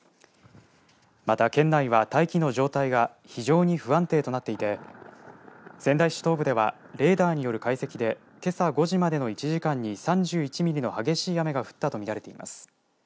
また県内は大気の状態が非常に不安定となっていて仙台市東部ではレーダーによる解析でけさ５時までの１時間に３１ミリの激しい雨が降ったと見られています。